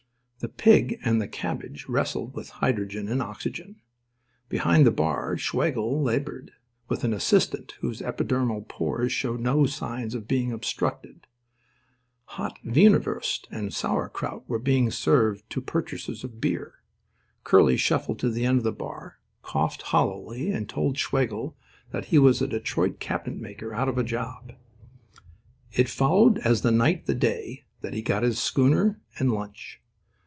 The pig and the cabbage wrestled with hydrogen and oxygen. Behind the bar Schwegel laboured with an assistant whose epidermal pores showed no signs of being obstructed. Hot weinerwurst and sauerkraut were being served to purchasers of beer. Curly shuffled to the end of the bar, coughed hollowly, and told Schwegel that he was a Detroit cabinet maker out of a job. It followed as the night the day that he got his schooner and lunch.